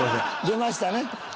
出ましたね。